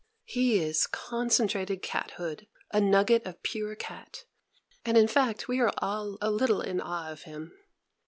He is concentrated cathood, a nugget of pure cat; and in fact we are all a little in awe of him.